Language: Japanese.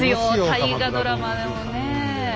大河ドラマでもねえ。